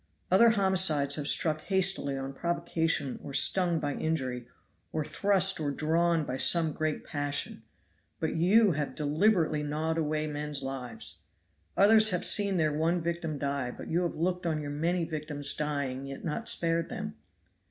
Other homicides have struck hastily on provocation or stung by injury, or thrust or drawn by some great passion but you have deliberately gnawed away men's lives. Others have seen their one victim die, but you have looked on your many victims dying yet not spared them.